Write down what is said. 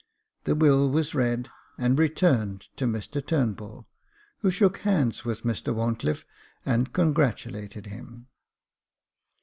The will was read, and returned to Mr Turnbull, who shook hands with Mr Wharncliffe, and congratulated him.